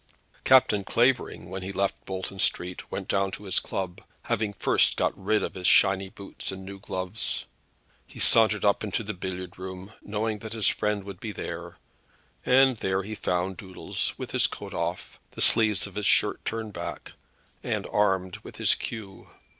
Captain Clavering, when he left Bolton Street, went down to his club, having first got rid of his shining boots and new gloves. He sauntered up into the billiard room knowing that his friend would be there, and there he found Doodles with his coat off, the sleeves of his shirt turned back, and armed with his cue.